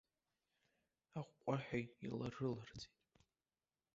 Аҟәҟәаҳәа иларыларҵеит.